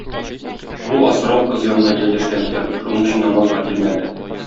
Бу асрау кыз янына ияләшкән икән, шуның өчен намазга килмәде.